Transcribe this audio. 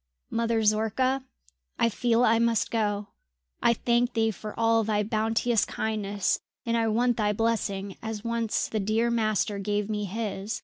"Mother Zorka, I feel I must go. I thank thee for all thy bounteous kindness, and I want thy blessing as once the dear master gave me his!"